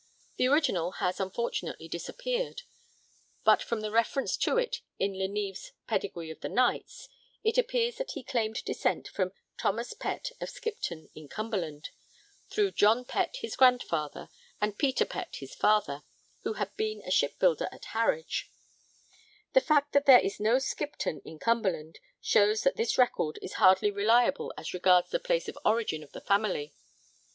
The original has unfortunately disappeared, but from the reference to it in Le Neve's 'Pedigree of the Knights' it appears that he claimed descent from 'Thomas Pett of Skipton in Cumberland' through John Pett his grandfather and Peter Pett his father, who had been a shipbuilder at Harwich. The fact that there is no Skipton in Cumberland shows that this record is hardly reliable as regards the place of origin of the family.